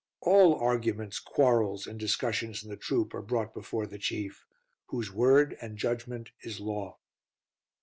All arguments, quarrels, and discussions in the troop are brought before the Chief, whose word and judgment is law.